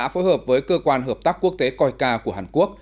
phối hợp với cơ quan hợp tác quốc tế coica của hàn quốc